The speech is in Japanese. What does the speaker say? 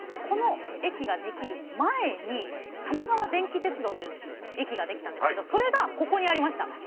この駅が出来る前に玉川電気鉄道という駅が出来たんですけどそれがここにありました。